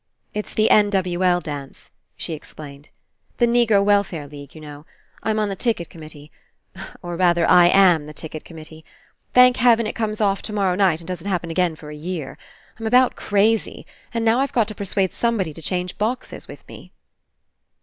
"It's the N. W. L. dance," she explained, "the Negro Welfare League, you know. I'm on the ticket committee, or, rather, I am the com mittee. Thank heaven It comes off tomorrow night and doesn't happen again for a year. I'm 123 PASSING about crazy, and now I've got to persuade somebody to change boxes with me."